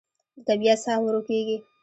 د طبیعت ساه ورو کېږي